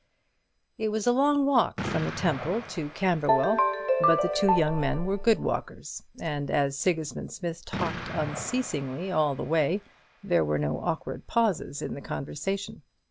It was a long walk from the Temple to Camberwell; but the two young men were good walkers, and as Sigismund Smith talked unceasingly all the way, there were no awkward pauses in the conversation.